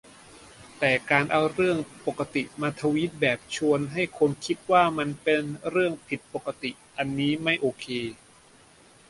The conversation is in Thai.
แต่การเอา "เรื่องปกติ" มาทวีตแบบชวนให้คนคิดว่ามันเป็นเรื่องผิดปกติ อันนี้ไม่โอเค